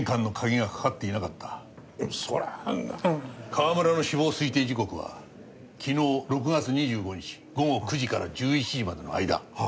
川村の死亡推定時刻は昨日６月２５日午後９時から１１時までの間。